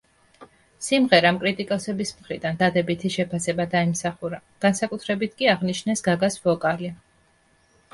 სიმღერამ კრიტიკოსების მხრიდან დადებითი შეფასება დაიმსახურა, განსაკუთრებით კი აღნიშნეს გაგას ვოკალი.